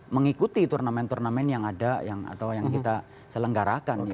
mengikuti turnamen turnamen yang ada atau yang kita selenggarakan